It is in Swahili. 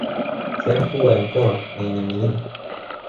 Sehemu kubwa ya mkoa ni yenye milima